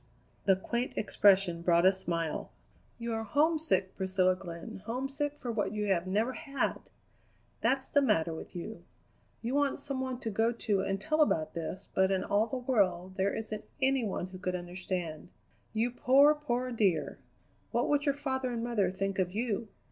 The quaint expression brought a smile. "You are homesick, Priscilla Glenn, homesick for what you have never had! That's the matter with you. You want some one to go to and tell about this, but in all the world there isn't any one who could understand. You poor, poor dear! What would your father and mother think of you?